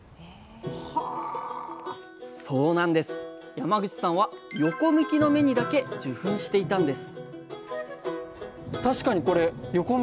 山口さんは横向きの芽にだけ受粉していたんです